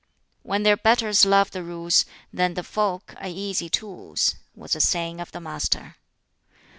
"When their betters love the Rules, then the folk are easy tools," was a saying of the Master.